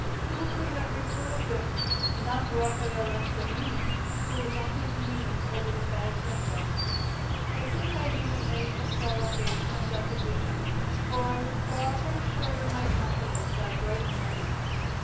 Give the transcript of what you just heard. Who could have reproved him? Not Raffaele Ansolini, who was on his knees over the bags and rugs! I think I even made some prolongation of that position, for I was far from assured of my countenance, that bright morning.